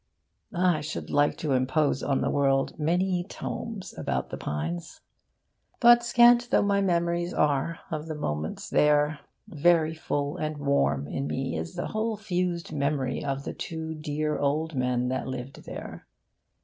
I should like to impose on the world many tomes about The Pines. But, scant though my memories are of the moments there, very full and warm in me is the whole fused memory of the two dear old men that lived there.